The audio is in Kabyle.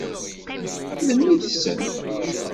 D mmi-tsen.